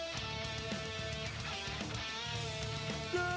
มีความรู้สึกว่า